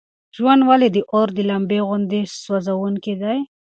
ژوند ولې د اور د لمبې غوندې سوزونکی دی؟